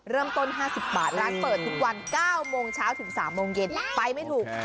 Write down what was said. เริ่มต้น๕๐บาทร้านเปิดทุกวัน๙โมงเช้าถึง๓โมงเย็นไปไม่ถูก